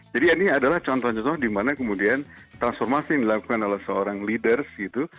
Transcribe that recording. jadi ini adalah contoh contoh dimana kemudian transformasi yang dilakukan oleh seorang leaders gitu